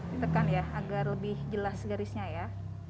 ditekan ya agar lebih jelas garisnya ya